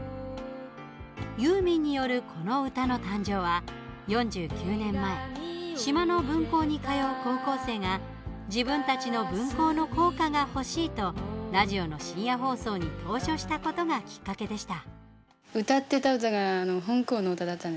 ユーミンによる、この歌の誕生は４９年前島の分校に通う高校生が自分たちの分校の校歌が欲しいとラジオの深夜放送に投書したことがきっかけでした。